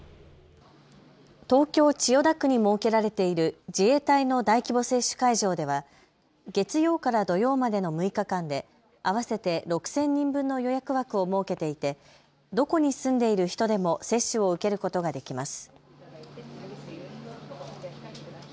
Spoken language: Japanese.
東京千代田区に設けられている自衛隊の大規模接種会場では月曜から土曜までの６日間で合わせて６０００人分の予約枠を設けていてどこに住んでいる人でも接種を受けることができます。